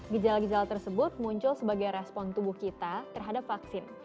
gejala gejala tersebut muncul sebagai respon tubuh kita terhadap vaksin